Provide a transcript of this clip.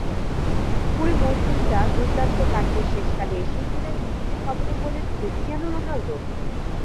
পুরো মৌসুমটা দুর্দান্ত কাটিয়ে শেষকালে এসেই কিনা ইনজুরির কবলে পড়লেন ক্রিস্টিয়ানো রোনালদো।